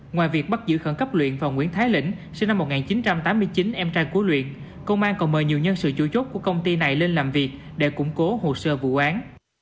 ngoài việc bắt giữ khẩn cấp luyện và nguyễn thái lĩnh sinh năm một nghìn chín trăm tám mươi chín em trai của luyện công an còn mời nhiều nhân sự chủ chốt của công ty này lên làm việc để củng cố hồ sơ vụ án